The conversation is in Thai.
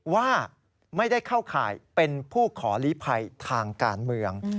ว่าไม่ได้เข้าข่ายเป็นผู้ขอลีภัยทางการเมือง